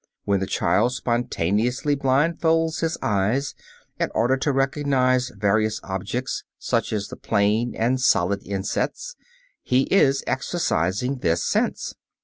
When the child spontaneously blindfolds his eyes in order to recognize various objects, such as the plane and solid insets, he is exercising this sense.